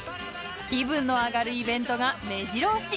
気分の上がるイベントがめじろ押し。